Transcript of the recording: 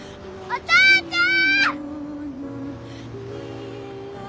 お父ちゃん！